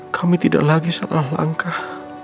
kami tidak lagi soal langkah